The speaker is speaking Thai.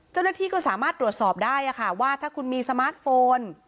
เจ้าหน้าที่ก็สามารถตรวจสอบได้ว่าถ้าคุณมีสมาร์ทโฟน